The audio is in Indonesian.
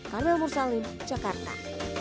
carmel mursalin jakarta